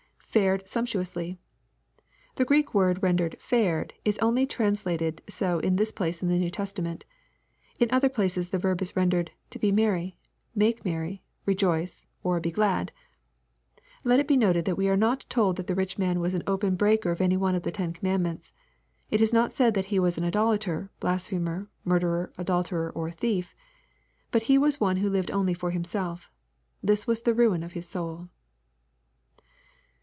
[Fared sumptuously.] The Greek word rendered "fared," is only translated so in this place in the New Testament In other places the verb is rendered to be merry, — make merry, — rejoice, —or be glad." Let it be noted, that we are not told that the rich man was an open breaker of any one of the ten commandments. It is not said that he was an idolater, blasphemer, murderer, adulterer, or thie£ But he was one who lived only for himself. This was the ruin of his soul.